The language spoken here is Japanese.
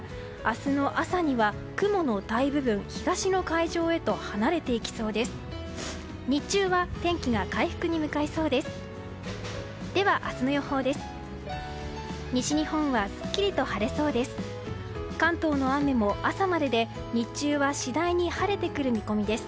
日中は天気が回復に向かいそうです。